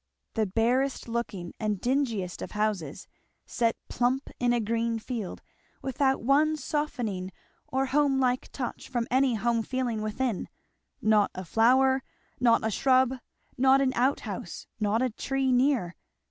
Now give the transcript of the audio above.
The barest looking and dingiest of houses, set plump in a green field, without one softening or home like touch from any home feeling within; not a flower, not a shrub, not an out house, not a tree near.